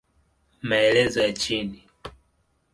Maelezo ya chini